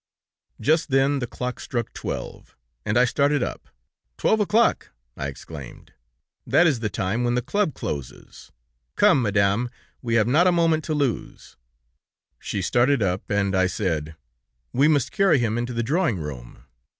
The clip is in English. "Just then the clock struck twelve, and I started up. 'Twelve o'clock!' I exclaimed. 'That is the time when the club closes. Come, Madame, we have not a moment to lose!' She started up, and I said: 'We must carry him into the drawing room.'